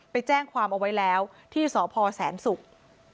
ไปแจ้งความเอาไว้แล้วที่สพแสนศุกร์